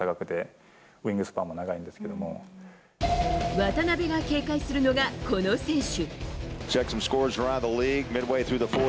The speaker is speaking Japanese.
渡邊が警戒するのが、この選手。